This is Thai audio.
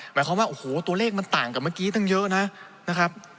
หมายความว่าโอ้โหตัวเลขมันต่างกับเมื่อกี้ตั้งเยอะนะครับ